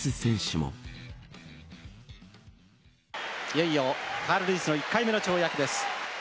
いよいよ、カール・ルイスの１回目の跳躍です。